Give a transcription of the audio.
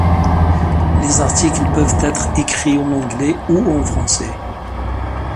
Les articles peuvent être écrits en anglais ou en français.